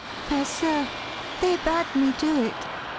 ' Fair Sir, they bade me do it.